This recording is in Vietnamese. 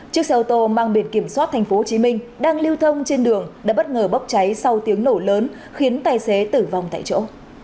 chiếc xe ô tô mang biển kiểm soát thành phố hồ chí minh đang lưu thông trên đường đã bất ngờ bốc cháy sau tiếng nổ lớn khiến tài xế tử vong tại chỗ